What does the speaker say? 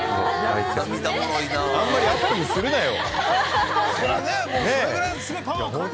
あんまりアップにするなよ！